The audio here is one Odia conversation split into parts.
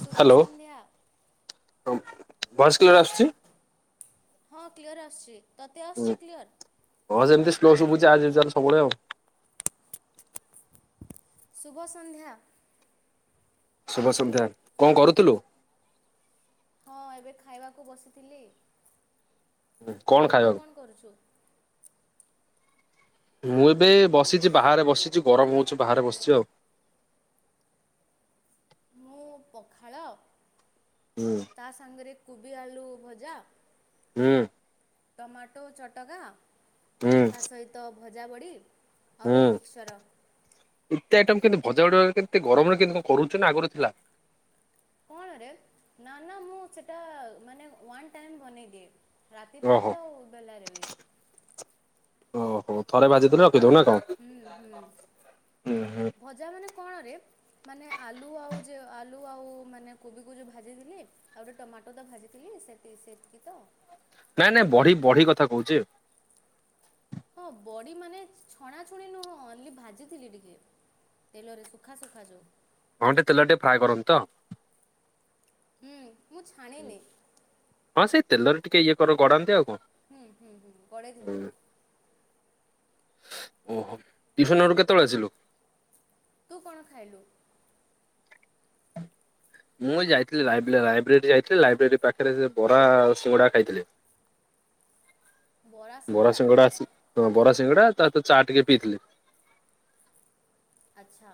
ଶୁଭ ସନ୍ଧ୍ୟା। ଭଏସ କ୍ଲିୟର ଆସୁଚି? ହଁ କ୍ଲିଅର୍ ଆସୁଚି। ତତେ ଆସୁଚି କ୍ଲିଅର୍? ହଁ ସେମତି ସ୍ଲୋ ସୁୁଭୁଚି ଆଜ୍ ୟୁଜୁଆଲ ସବୁବେଳେ ଆଉ। ଶୁଭ ସନ୍ଧ୍ୟା। ଶୁଭ ସନ୍ଧ୍ୟା। କଣ କରୁଥିଲୁ? ହଁ ଏବେ ଖାଇବାକୁ ବସିଥିଲି। କଣ ତୁ ଖାଇବାକୁ କଣ କରୁଚୁ? ମୁଁ ଏବେ ବସିଚି ବାହାରେ ବସିଚି ଗରମ ହଉଚି ବାହାରେ ବସିଚି ଆଉ। ମୁଁ ପଖାଳ ହୁଁ ତା ସାଙ୍ଗ ରେ କୁବି, ଆଳୁ ଭଜା ହୁଁ। ଟମାଟୋ ଚଟକା ତା ସହିତ ଭଜା ବଡ଼ି ଆଉ ହୁଁ ମିକ୍ସଚର। ଏତେ ଆଇଟମ କେମିତି ଭଜା ଉଡ କେତେ ଗରମରେ କେ କଣ କରୁଛି ନା ଆଗରୁ ଥିଲା? କଣରେ ନା ନା ମୁଁ ସେଟା ମାନେ ୱାନ୍ ଟାଇମ ବନେଇଦିଏ। ରାତି ପାଇଁ ଓହୋ ବି ଆଉ ବେଲାରେ ବି ଓହୋ ଥରେ ଭାଜିଦେଲୁ ରଖିଥଉ ନା କଣ? ହୁଁ ହୁଁ ହୁଁ ହୁଁ ଭଜା ମାନେ କଣରେ? ମାନେ ଆଲୁ ଆଉ ଯେ ଆଲୁ ଆଉ ମାନେ କୋବିକୁ ଯେଉଁ ଭାଜିଥିଲି ଆଉ ଗୋଟେ ଟମାଟୋଟ ଭାଜିଥିଲି ସେତି- ସେତକି ତ? ନାଇଁ ନାଇଁ ବଢି ବଢି କଥା କହୁଛି। ହଁ ବଡ଼ି ମାନେ ଛଣାଛୁଣି ନୁହଁ ଓନଲି ଭାଜିଥିଲି ଟିକେ ତେଲରେ ଶୁଖା ଶୁଖା ଯୋଉ ହଁଟେ ତେଲ ରେ ଟିକେ ଫ୍ରାଏ କରନ୍ତି ତ? ହୁଁ ମୁଁ ଛାଣିନି। ହଁ ସେଇ ତେଲରେ ଟିକେ ଇଏ କର ଗଡାନ୍ତି ଆଉ କଣ? ହୁଁ ହୁଁ ହୁଁ [unintelligible] ଓହୋ ଟିଉସନ ରୁ କେତେବେଳେ ଆସିଲୁ। ତୁ କଣ ଖାଇଲୁ? ମୁଁ ଯାଇଥିଲି ଲାଇବ୍ରେଲୀ ଯାଇଥିଲି ଲାଇବ୍ରେରୀ ଲାଇବ୍ରେରୀ ପାଖରେ ସେ ବରା ସିଙ୍ଗଡ଼ା ଖାଇଥିଲି। ବରା ସିଙ୍ଗଡା ବରା ସିଙ୍ଗଡା ତା ସହିତ ଚା ଟିକେ ପିଇଥିଲେ? ଆଚ୍ଛା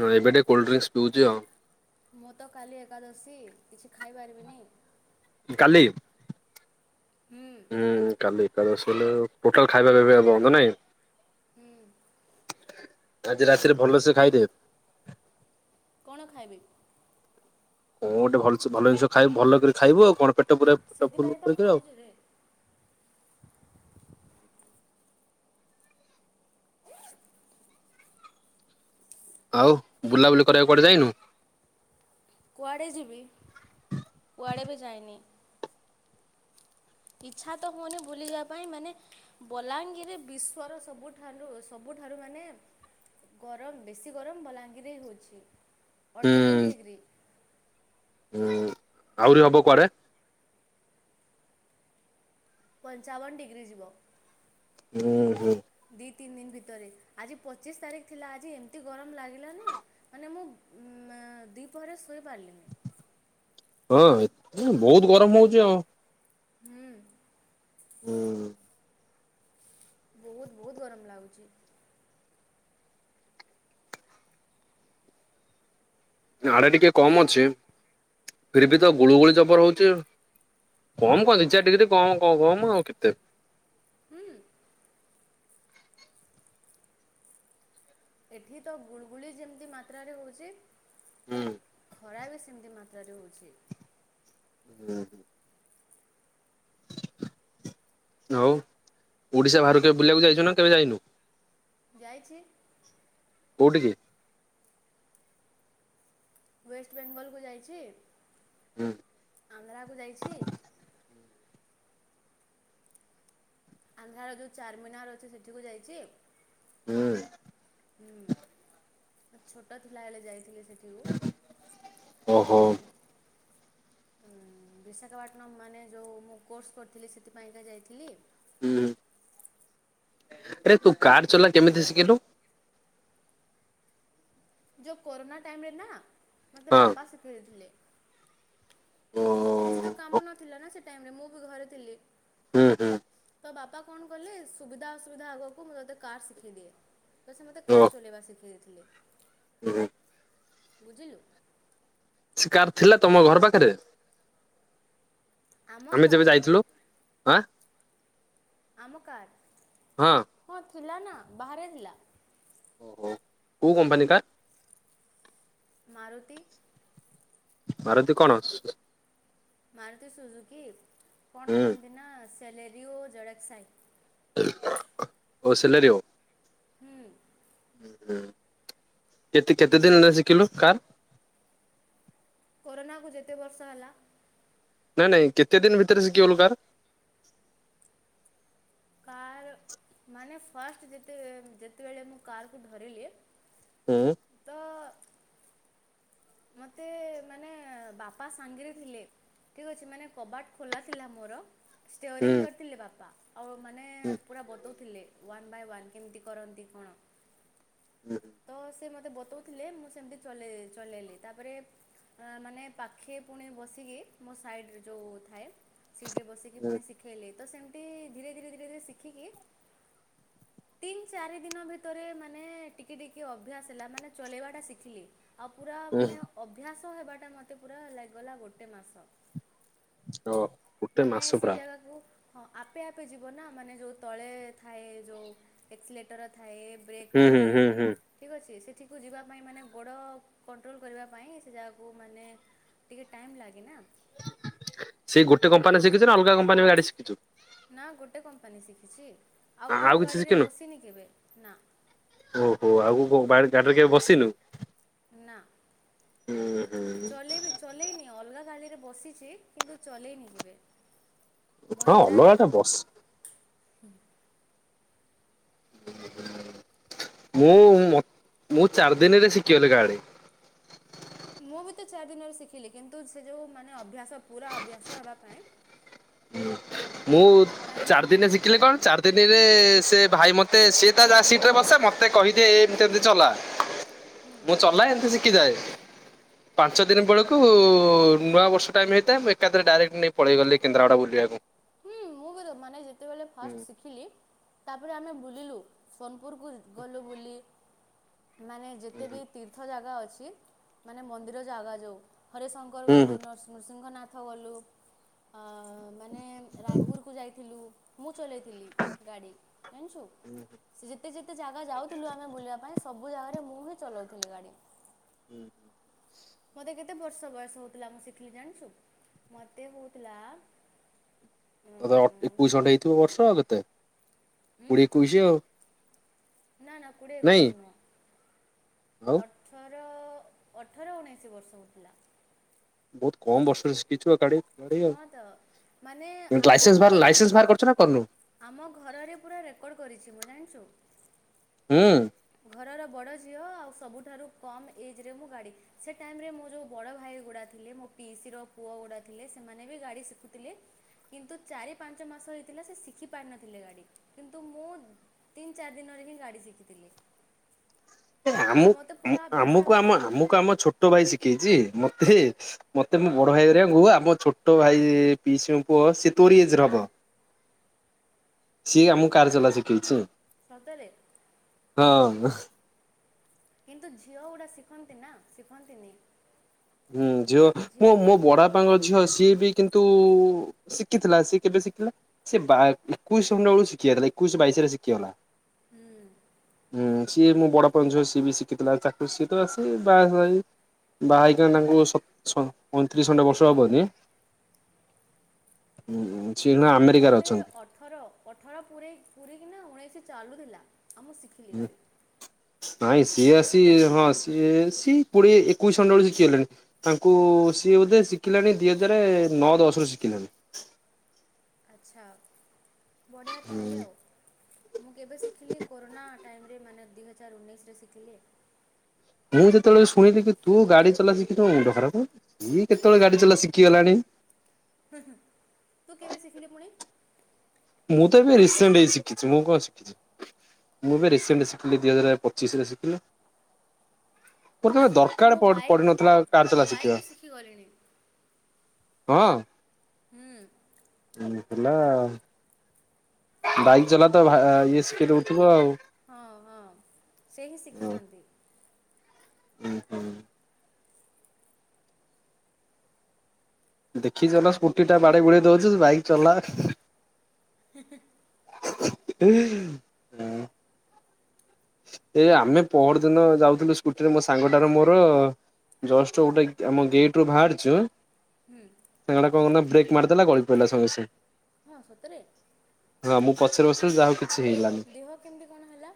ହଁ ଏବେ ଟିକେ କୋଲ୍ଡଡିଙ୍କସ ପିଉଛି ଆଉ ମୁଁ ତ କାଲି ଏକାଦଶୀ କିଛି ଖାଇପାରିବିନି କାଲି? ହୁଁ କାଲି ଏକାଦଶୀ ହେଲେ ଟୋଟାଲ ଖାଇବା ପିଇବା ବନ୍ଦ ନାଇଁ? ହୁଁ ଆଜି ରାତିରେ ଭଲସେ ଖାଇଦେ? କଣ ଖାଇବି? କଣ ଗୋଟେ ଭଲ ଭଲ ଜିନିଷ ଖାଇ ଭଲ କରି ଖାଇବ ଆଉ କଣ ପେଟ ପୁରା ପେଟ ଫୁଲ ସେଥିପାଇଁ ତ କରିକି ଆଉ। ଖାଉଛି ରେ ଆଉ ବୁଲାବୁଲି କରିବାକୁୁ କୁଆଡେ ଯାଇନୁ? କୁଆଡ଼େ ଯିବି କୁଆଡ଼େ ବି ଯାଇନି। ଇଚ୍ଛା ତ ହୁଅନି ବୁଲିବା ପାଇଁ ମାନେ ବଲାଙ୍ଗୀରରେ ବିଶ୍ୱର ସବୁ ଠାରୁ ସବୁଠାରୁ ମାନେ ଗରମ ବେଶୀ ଗରମ ଭଲାଙ୍ଗିରେ ହେଉଛି ଅଠଚାଳିଶ ଡିଗ୍ରୀ ଉଁ ଆହୁରି ହବ କୁଆଡେ? ପଞ୍ଚାବନ ଡିଗ୍ରୀ ଯିବ। ହୁଁ ହୁଁ। ଦି ତିନି ଦିନ ଭିତରେ ଆଜି ପଚିଶ ତାରିଖ ଥିଲା ଆଜି ଏମିତି ଗରମ ଲାଗିଲା ନା ମାନେ ମୁଁ ଉ ଦିପହରେ ଶୋଇ ପାରିଲିନି। ହଁ ବହୁତ ହୁଁ ଗରମ ହଉଛି ଆଉ ହୁଁ। ହୁଁ। ବହୁତ ବହୁତ ଗରମ ଲାଗୁଛି। ଆଡେ ଟିକେ କମ ଅଛି ଫିର ବି ତ ଗୁଳୁଗୁଳି ଜବର ହଉଛି। କମ କହନ୍ତିି ଦି ଚାରି ଡିଗ୍ରୀ କମ କଣ କମ ଆଉ କେତେ? ହୁଁ ଏଠି ତ ଗୁଳୁଗୁଳି ଯେମିତି ମାତ୍ରାରେ ହଉଛି ହୁଁ ପୁରା ଖରା ବି ସେମିତି ମାତ୍ରାରେ ହେଉଛି ହୁଁ। ଆଉ ଓଡିଶା ବାହାରକୁ କେବେ ବୁଲିବାକୁ ଯାଇଚୁ ନା କେବେ ଯାଇନୁ। ଯାଇଛି। କୋଉଠି କି? ୱେଷ୍ଟ ବେଙ୍ଗଲକୁ ଯାଇଛି। ହୁଁ। ଆନ୍ଧ୍ରାକୁ ଯାଇଛି। ଆନ୍ଧ୍ରାର ଯେଉଁ ଚାର୍ମିିନାର ଅଛି ସେଠିକୁ ଯାଇଛି। ହୁଁ। ହୁଁ ଛୋଟ ଥିଲା ବେଳେ ଯାଇଥିଲି ସେଠିକୁ। ଓହୋ ଆଉ ବିଶାଖାପାଟଣା ମାନେ ଯେଉଁ ମୁଁ କୋର୍ସ କରିଥିଲି, ସେଥି ପାଇଁକା ଯାଇଥିଲି। ହୁଁ ଆରେ ତୁ କାର୍ ଚଲା କେମିତି ଶିଖିଲୁ। ଯେଉଁ କୋରୋନା ଟାଇମ୍ରରେ ନା ମୋତେ ହଁ ବାପା ଶିଖେଇ ଦେଇଥିଲେ। ଓ କିଛି ତ କାମ ନ ଥିଲା ନା ସେ ଟାଇମରେ। ମୁଁ ବି ଘରେ ଥିଲି। ହୁଁ ହୁଁ ତ ବାପା କଣ କହିଲେ? ସୁବିଧା ଅସୁବିଧା ଆଗକୁ ମୁଁ ତୋତେ କାର୍ ଶିଖେଇ ଦିଏ। ତ ସେ ମତେ ଓ କାର୍ ଚଲେଇବା ଶିଖେଇ ଦେଇଥିଲେ ହୁଁ ବୁଝିଲୁ। ସେ କାର୍ ଥିଲା ତମ ଘର ପାଖରେ। ଆମ ଆମେ ଯେବେ କାର୍ ଯାଇଥିଲୁ। ଆଁ ଆମ କାର୍। ହଁ ଥିଲା ନା, ବାହାରେ ଥିଲା। କୋଉ କମ୍ପାନୀ କାର୍? ମାରୁତି ମାରତୀ କଣ? ମାରୁତି ସୁଜୁକି କଣ ହୁଁ କୁହନ୍ତି ନା ସ୍ୟାଲାରୀ ଓ ଜଡ଼କ୍ ସାହି? ଓ ସିଲାରୀ ହୁଁ। କେତେ, କେତେ ଦିନ ହେଲା ଶିଖିଲୁ କାର୍। କରୋନାକୁ ଯେତେ ବର୍ଷ ହେଲା। ନାଇଁ ନାଇଁ କେତେ ଦିନ ଭିତରେ ଶିଖିଗଲୁ କାର୍। କାର୍ ମାନେ ଫାଷ୍ଟ୍ ଯେତେ ଯେତେବେଳେ ମୁଁ କାରକୁ ଧରିଲେ ହୁଁ। ତ ମୋତେ ମାନେ ବାପା ସାଙ୍ଗରେ ଥିଲେ। ଠିକ୍ ଅଛି, ମାନେ କବାଟ ଖୋଲା ଥିଲା ମୋର। ହୁଁ ଷ୍ଟେୟରିଙ୍ଗ୍ ଧରିଥିଲେ ବାପା। ଆଉ ମାନେ ହୁଁ ପୁରା ବତଉଥିଲେ ୱାନ୍ ବାଇ ୱାନ୍ କେମିତି କରନ୍ତି କଣ? ହୁଁ ତ ସେ ମତେ ବତଉଥିଲେ। ମୁଁ ସେମିତି ଚଲେଇ ଚଲେଇଲି। ତାପରେ ମାନେ ପାଖେ ପୁଣି ବସିକି, ମୋ ସାଇଡ଼ ଯୋଉ ଥାଏ। ସିଟ୍ରେ ବସିକି ହୁଁ ପୁଣି ଶିଖେଇଲେ। ତ, ସେମିତି ଧିରେ ଧିରେ ଧିରେ ଧିରେ ଶିଖିକି ତିନ୍ ଚାରି ଦିନ ଭିତରେ ମାନେ ଟିକେ ଟିକେ ଅଭ୍ୟାସ ହେଲା ମାନେ ଚଲେଇବାଟା ଶିଖିଲି। ଆଉ ପୁରା ହୁଁ ମାନେ ଅଭ୍ୟାସ ହେବାଟା ମତେ ପୁରା ଲାଗି ଗଲା ଗୋଟେ ମାସ। ଓ ଗୋଟେ ମାନେ ମାସ ସେ ପୁରା ଜାଗାକୁ ହଁ ଆପେ ଆପେ ଯିବ ନା ମାନେ ଯୋଉ ତଳେ ଥାଏ ଯୋଉ ଏକ୍ସିଲେଟର୍ ଥାଏ। ବ୍ରେକ୍ ହୁଁ ହୁଁ ଥାଏ। ହୁଁ ହୁଁ। ଠିକ୍ ଅଛି। ସେଠିକୁ ଯିବା ପାଇଁ ମାନେ ଗୋଡ କ କଣ୍ଟ୍ରୋଲ୍ କରିବା ପାଇଁ ସେ ଯାଗାକୁ ମାନେ ଟିକେ ଟାଇମ୍ ଲାଗେ ନା। ସେଇ ଗୋଟ କମ୍ପାନୀ ଶିଖିଛୁ ନା ଅଲଗା କମ୍ପାନୀ ଗାଡି ଶିଖିଚୁ। ନା ଗୋଟେ କମ୍ପାନୀ ଶିଖିଛି। ଆଉ କୋଉ କିଛି ଗାଡ଼ିରେ ଶିଖିନୁ? ବସିନି କେବେ, ନା। ଓହୋ ଆଉ କ ବା ଗାଡିରେ କେବେ ବସିନୁ। ନା। ହୁଁ ହୁଁ ଚଲେଇବି ଚଲେଇନି ଅଲଗା ଗାଡି ରେ ବସିଛି କିନ୍ତୁ ଚଲେଇନି କେବେ ହଁ ଅଲଗା ମହିନ୍ଦ୍ରାରେ ଟା ବସ ମୁଁ ମୁଁ ଚାରି ଦିନରେ ଶିଖିଗଲି ଗାଡ। ମୁଁ ବି ତ ଚାରି ଦିନରେ ଶିଖିଲି କିନ୍ତୁ ସେ ଯଉ ମାନେ ଅଭ୍ୟାସ ପୁରା ଅଭ୍ୟାସ ହେବା ପାଇଁ [inaudible] ମୁଁ ଟାଇମ୍ ଚାର ଲାଗେ ଦିନରେ ଶିଖିଲି କଣ ଚାର ଦିନିରେ ସେ ଭାଇ ମୋତେ ସିଏ ତା ଯା ସିଟ୍ରରେ ବସେ ମୋତେ କହିଦିଏ ଏମତି ଏମିତି ଚଲା। [inaudible] ମୁଁ ଚଲାଏ ଏମିତି ଶିଖିଯାଏ ପାଞ୍ଚ ଦିନ ବେଳକୁ ନୂଆ ବର୍ଷ ଟାଇମ ହେଇଥାଏ ମୁ ଏକାଥରେ ଡାଇରେକ୍ଟ ନେଇ ପଳେଇ ଗଲି କେନ୍ଦ୍ରାପଡା ବୁଲିବାକୁ। ହୁଁ ମୁଁ ବି ମାନେ ଯେତେବେଳେ ଫାଷ୍ଟ ଶିଖିଲି। ତାପରେ ଆମେ ବୁଲିଲୁ ସୋନପୁରକୁ ଗଲୁ ବୁଲି ମାନେ ଯେତେ ବି ତୀର୍ଥ ଜାଗା ଅଛି ମାନେ ମନ୍ଦିର ଜାଗା ଯେଉ ହରି ଶଙ୍କର ହୁଁ ଗଲୁ ହୁଁ ନର୍ ନୃସିଂହ ନାଥ ଗଲୁ ମାନେ ରାୟପୁରକୁ ଯାଇଥିଲୁ ମୁଁ ଚଲେଇଥିଲି ଗାଡ଼ି ଜାଣିଛୁ। [inaudible] ସେ ଯେତେ ଯେତେ ଜାଗା ଯାଉଥିଲୁ ଆମେ ବୁଲିବା ପାଇଁ ସବୁ ଜାଗାରେ ମୁଁ ହିଁ ଚଲାଉଥିଲି ଗାଡି। ମତେ କେତେ କେତେ ବର୍ଷ ବୟସ ହଉଥିଲା ମୁଁ ଶିଖିଲି ଜାଣିଛୁ ମୋତେ ହଉଥିଲା ତ ଅଟ ଏକୋଇଶ ଖଣ୍ଡେ ହେଇଥିବ ବର୍ଷ ଆଉ କେତେ କୋଡିଏ ଏକୋଇଶ ଆଉ। ନା ନା ନାଇଁ କୁଡ଼ିଏକୋଇସି ଆଉ ନୁହ ଅଠ ମୋର ଅଠର ଉଣେଇଶ ବର୍ଷ ହୋଉଥିଲା। ବହୁତ କମ୍ ବର୍ଷରେ ଶିଖିଛୁ ଆ ଗାଡ଼ି। ଗାଡ଼ି ଆଉ, ହଁ ତ ମାନେ ଆମ ଲାଇସେନ୍ସ ବାହାର ଘରରେ ଲାଇସେନ୍ସ ବାହାର କରିଛୁ ନା କର୍ନୁ? ଆମ ଘରରେ ପୁରା ରେକର୍ଡ଼ କରିଛି ମୁଁ ଜାଣିଛୁ। ହୁଁ। ଘରର ବଡ଼ ଝିଅ ଆଉ ସବୁଠାରୁ କମ୍ ଏଜ୍ ରେ ମୁଁ ଗା଼ଡି ସେ ଟାଇମ ରେ ମୁ ଯୋଉ ବଡ଼ ଭାଇ ଗୁଡ଼ା ଥିଲେ ମୋ ପିଇସିର ପୁଅ ଗୁଡ଼ା ଥିଲେ ସେମାନେ ବି ଗାଡ଼ି ଶିଖୁଥିଲେ। କିନ୍ତୁ ଚାରି ପାଞ୍ଚ ମାସ ହେଇଥିଲା ସେ ଶିଖି ପାରିନଥିଲେ ଗାଡ଼ି କିନ୍ତୁ ମୁଁ ତିନି ଚାରି ଦିନରେ ହିଁ ଗାଡ଼ି ଶିଖିଥିଲି। ଆଉ ମୋତେ ପୁରା ଅଭ୍ୟାସ ଆମକୁ ହେବା ଆମ ପାଇଁ ଆମକୁ ଆମ ଛୋଟ ଭାଇ ଶିଖେଇଛି ମତେ। ମତେ ମୋ ବଡ ଭାଇରାଙ୍କୁୁ ଆମ ଛୋଟ ଭାଇ ପିଇସି ଙ୍କ ପୁଅ ସି ତୋରି ଏଜ ର ହବ। [inaudible] ସିଏ ଆମକୁ କାର୍ ଚଲା ଶିଖେଇଛି। ସତରେ? ହଁ। କିନ୍ତୁ ଝିଅ ଗୁଡା ଶିଖନ୍ତି ନା ଶିଖନ୍ତିନି? ହୁଁ ଝିଅ ମୁଁ ମୋ ବଡା ପାଙ୍କ ଝିଅ ସିଏ ବି କିନ୍ତୁ ଶିଖିଥିଲା ସିଏ କେବେ ଶିଖିଲା ସେ ବା ଏକୋଇଶ ବଳକୁ ଶିଖିଇଥିଲା ଏକୋଇଶ ବାଇଶ ରେ ଶିଖିଗଲା। ହୁଁ। ହୁଁ ସିଏ ମୋ ବଡପା ଝୁଅ ସିଏ ବି ଶିଖିଥିଲା ତାକୁ ସିଏ ତ ଆସି ବାହା ବାହା ହେଇ କ ତାଙ୍କୁ ଶ ସ ଅଇଁତିରିଶ ଖଣ୍ଡ ବର୍ଷ ହବ ଯେ ହୁଁ ହୁଁ। ମୋତେ ଅଠର ଅଠର ପୁରେଇ ପୁରିକିିନା ଉଣେଇଶି ଚାଲୁଥିଲା ଆମ ଶିକ୍ [inaudible] ନାଇଁ ସିଏ ଆସି ହଁ ସିଏ ସି କୋଡ଼ିଏ ଏକୋଇଶି [unintelligible] ଶିକିଗଲେଣି। ତାଙ୍କୁ ସିଏ ବୋଧେ ଶିଖିଲାଣି ଦି ହଜାର ନଅ ଦଶ ରୁ ଶିଖିଲାଣି। ଆଚ୍ଛା ବଢ଼ିଆ ତାହଲେ ଆଉ। ମୁଁ କେବେ ଶିଖିଲି କୋରୋନା ଟାଇମରେ ମାନେ ଦୁଇହଜାର ଉଣେଇଶରେ ଶିଖିଲି। ମୁଁ ଯେତେବେଳେ ଶୁଣିଲି କି ତୁ ଗାଡି ଚଲା ଶିଖିଛୁ ମୋ ମୁଣ୍ଡ ଖରାପ ଇଏ କେତେବେଳେ ଗାଡି ଚଲା ଶିଖି ଗଲାଣି। ହୁଁ ହୁଁ ତୁ କେବେ ଶିଖିଲୁ ପୁଣି? ମୁଁ ତ ଏବେ ରିସେଣ୍ଟ ହେଇ ଶିଖିଛି ମୁଁ କଣ ଶିଖିଛି। ମୁଁ ଏବେ ରିସେଣ୍ଟ ଶିଖିଲି ଦି ହଜାର ପଚିଶରେ ଶିଖିଲି। ମୋର କେବେ ଦରକାର ମୁଁ ପଡ ବାଇକ୍ ପଡିିନଥିଲା ମୁଁ କାରଚଲା ବାଇକ୍ ଶିଖିବା। ବି ଶିଖିଗଲିଣି। ହଁ। ହଁ। ହେଲା ଆଉ। ବାଇକ ଚଲା ତ ଭା ଇଏ ସିିକେଇ ଦଉଥିବ ଆଉ? ହଁ ହଁ ସେ ହିଁ ଶିଖିଛନ୍ତି। ଉଁ ହୁଁ। ଦେଖିଛ ନା ସ୍କୁଟି ଟା ବାଡେଇ ବୁଡେଇ ଦଉଛି ବାଇକ ଚଲା [inaudible] [inaudible] ଏ ଆମେ ପହର ଦିନ ଯାଉଥିଲୁ ସ୍କୁଟିରେ ମୋ ସାଙ୍ଗଟାର ମୋର ଜଷ୍ଟ ଗୋଟେ ଆମ ଗେଟରୁ ବାହାରିଛୁ ହୁଁ। ସାଙ୍ଗଟା କଣ ନା ବ୍ରେକ୍ ମାରଦେଲା ଗଳିପଡ଼ିଲା ସାଙ୍ଗେ ସ ହଁ ସତରେ? ହଁ ମୁଁ ପଛରେ ବସିଥିଲି ଯାହା ହଉ କି ଦେହ କେମିତି କଣ ହେଲା?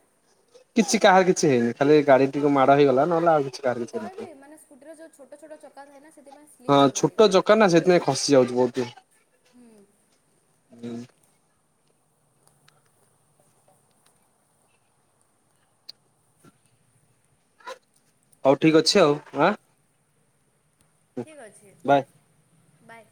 କିଛି କାହାର କିଛି ହେଇନି ଖାଲି ଗାଡି ଟିକେ ମାଡ଼ ହେଇଗଲା ନହେଲେ ଆଉ କିଛି କାହାର ମୁଁ କିଛି କହିବି ହେଇନଥିଲା। ମାନେ ସ୍କୁଟିର ଯେଉଁ ଛୋଟ ଛୋଟ ଚକା ଥାଏ ନା ସେଥିପାଇଁ ସ୍ଲିପ୍ ହୁଏ ଗାଡ଼ି। କଣ ନା ସେଥିପାଇଁ ଖସି ଯାଉଛି ବହୁତ୍। ହୁଁ ହଉ ଠିକ୍ ଅଛି ଆଉ ଆଁ। ଠିକ୍ ଅଛି ବାଏ। ବାଏ।